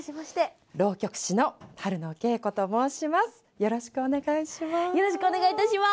よろしくお願いします。